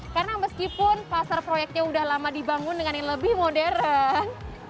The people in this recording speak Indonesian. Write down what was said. karena meskipun pasar proyeknya udah lama dibangun dengan yang lebih modern